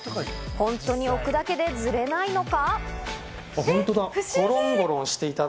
本当に置くだけでずれないのか？